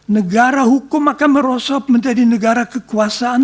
negara hukum akan merosot menjadi negara kekuasaan